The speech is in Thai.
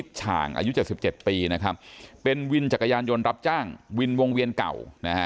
บัญญาณยนต์รับจ้างวินวงเวียนเก่า